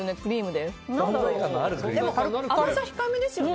でも甘さ控えめですよね